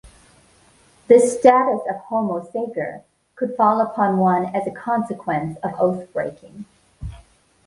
The status of "homo sacer" could fall upon one as a consequence of oath-breaking.